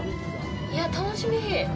いや、楽しみ。